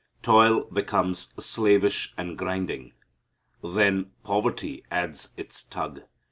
Toil becomes slavish and grinding. Then poverty adds its tug.